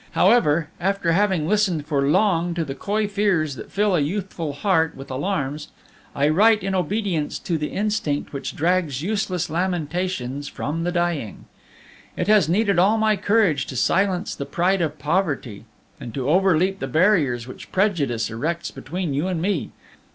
However, after having listened for long to the coy fears that fill a youthful heart with alarms, I write in obedience to the instinct which drags useless lamentations from the dying. "It has needed all my courage to silence the pride of poverty, and to overleap the barriers which prejudice erects between you and me.